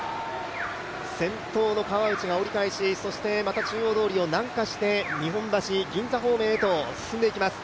先頭の川内が折り返しそしてまた中央通りを南下して日本橋、銀座方面へと進んでいきます。